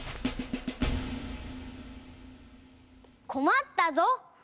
こまったぞ！